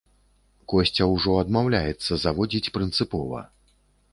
Косця ўжо адмаўляецца зводзіць прынцыпова.